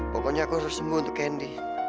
pokoknya aku harus sembuh untuk kendi